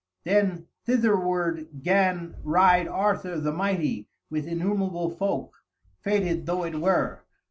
Then thitherward 'gan ride Arthur the mighty, with innumerable folk, fated though it were!